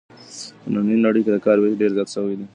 په نننۍ نړۍ کې د کار وېش ډېر زیات سوی دی.